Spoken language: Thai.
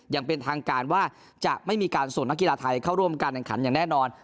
อย่างเป็นทางการว่าจะไม่มีการส่งนักกีฬาไทยเข้าร่วมการแข่งขันอย่างแน่นอน